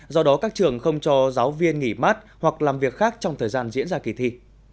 do đó các trường không cho giáo viên nghỉ mát hoặc làm việc khác trong thời gian diễn ra kỳ thi